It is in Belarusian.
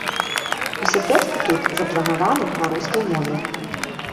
Усе тэксты тут запланаваны на рускай мове.